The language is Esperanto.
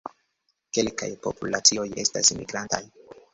Kelkaj populacioj estas migrantaj.